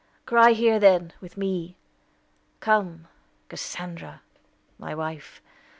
"Cry here then, with me. Come, Cassandra, my wife!